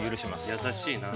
◆優しいなあ。